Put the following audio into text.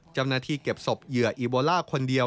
เจ้าหน้าที่เก็บศพเหยื่ออีโบล่าคนเดียว